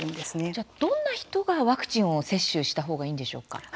じゃあ、どんな人がワクチンを接種した方がいいんでしょうか。